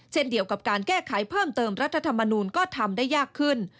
เช่นเดียวกับการแก้ไขเพิ่มเติมรัฐธรรมนูลก็ทำได้ยากขึ้น